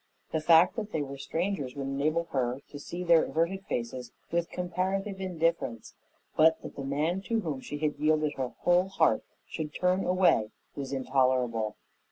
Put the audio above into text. The fact that they were strangers would enable her to see their averted faces with comparative indifference, but that the man to whom she had yielded her whole heart should turn away was intolerable.